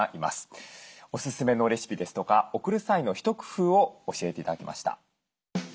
おすすめのレシピですとか送る際の一工夫を教えて頂きました。